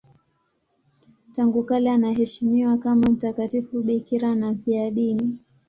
Tangu kale anaheshimiwa kama mtakatifu bikira na mfiadini.